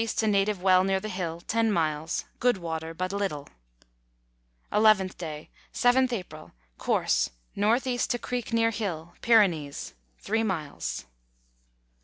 to native well near the hill, 10 miles. Good water but little. llth day, 7th April. Course, N.E. to creek near hill (Pyrenees), 3 miles.